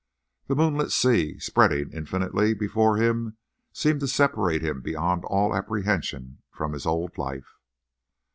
The moonlit sea, spreading infinitely before him, seemed to separate him beyond all apprehension from his old life.